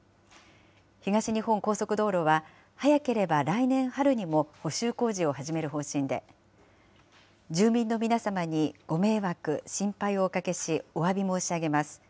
東日本高速道路は早ければ来年春にも補修工事を始める方針で、住民の皆様にご迷惑、心配をおかけしおわび申し上げます。